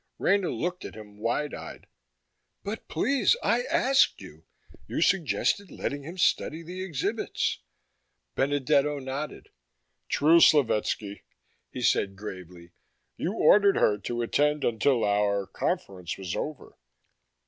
Rena looked at him wide eyed. "But, please, I asked you. You suggested letting him study the exhibits." Benedetto nodded. "True, Slovetski," he said gravely. "You ordered her to attend until our conference was over."